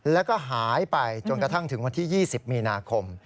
แล้วก็หายไปจนกระทั่งถึงวันที่๒๐มีนาคม